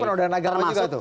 itu penodaan agama juga tuh